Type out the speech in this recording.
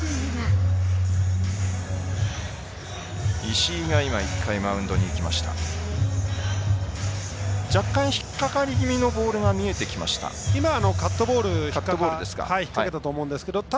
石井が１回マウンドに行きました。